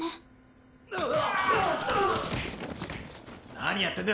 ・何やってんだ！